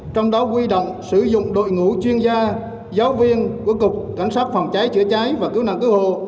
trong đó quy động sử dụng đội ngũ chuyên gia giáo viên của cục cảnh sát phòng cháy chữa cháy và cứu nạn cứu hộ